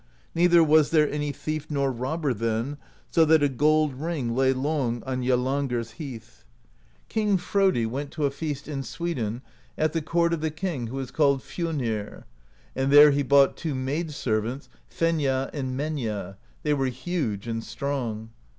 Neither was there any thief nor robber then, so that a gold ring lay long on Jalangr's Heath. King Frodi i62 PROSE EDDA went to a feast in Sweden at the court of the king who was called Fjolnir, and there he bought two maid servants, Fenja and Menja: they were huge and strong.